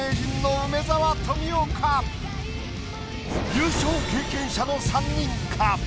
優勝経験者の３人か？